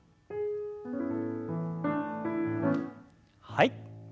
はい。